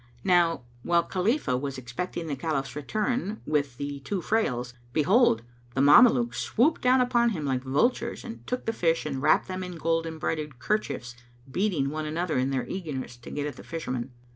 Now, while Khalifah was expecting the Caliph's return with the two frails, behold, the Mamelukes swooped down upon him like vultures and took the fish and wrapped them in gold embroidered kerchiefs, beating one another in their eagerness to get at the Fisherman.